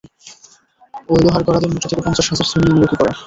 ঐ লোহার গরাদের মুঠো থেকে পঞ্চাশ হাজার ছিনিয়ে নেব কী করে?